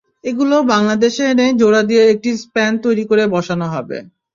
এগুলো বাংলাদেশে এনে জোড়া দিয়ে একটি স্প্যান তৈরি করে বসানো হবে।